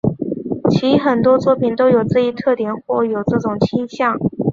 其很多作品都有这一特点或有这种倾向。